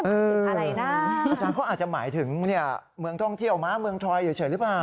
อะไรนะอาจารย์เขาอาจจะหมายถึงเมืองท่องเที่ยวม้าเมืองทอยอยู่เฉยหรือเปล่า